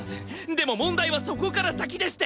でも問題はそこから先でして！